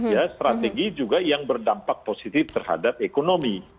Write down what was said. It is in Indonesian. ya strategi juga yang berdampak positif terhadap ekonomi